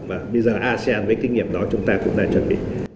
và bây giờ asean với kinh nghiệm đó chúng ta cũng đã chuẩn bị